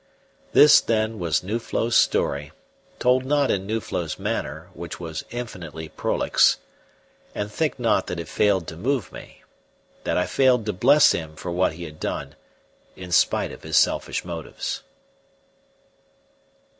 This, then, was Nuflo's story, told not in Nuflo's manner, which was infinitely prolix; and think not that it failed to move me that I failed to bless him for what he had done, in spite of his selfish motives.